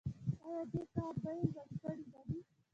آیا دې کار بیې لوړې کړې نه دي؟